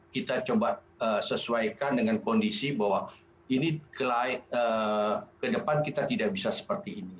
kita coba sesuaikan dengan kondisi bahwa ini ke depan kita tidak bisa seperti ini